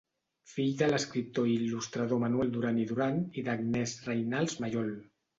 Fill de l'escriptor i il·lustrador Manuel Duran i Duran i d'Agnès Reinals Mallol.